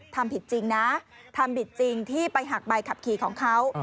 ทำผิดจริงนะทำผิดจริงที่ไปหักใบขับขี่ของเขา